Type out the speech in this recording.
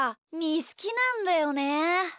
ーすきなんだよね。